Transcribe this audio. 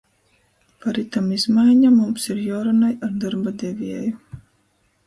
Par itom izmaiņom mums ir juorunoj ar dorba devieju.